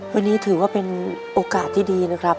วันนี้ถือว่าเป็นโอกาสที่ดีนะครับ